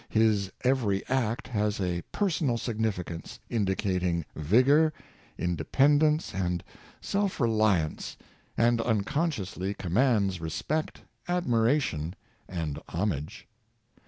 His every act has a per sonal signiticance, indicating vigor, independence, and self reliance, and unconsciously commands respect, ad miration, and homage.